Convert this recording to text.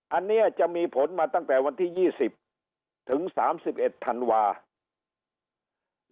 อันนี้จะมีผลมาตั้งแต่วันที่๒๐ถึง๓๑ธันวาคม